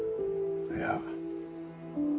いや。